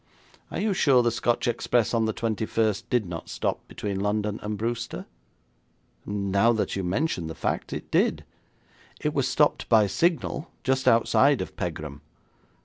'Are you sure the Scotch Express on the 21st did not stop between London and Brewster?' 'Now that you mention the fact, it did. It was stopped by signal just outside of Pegram.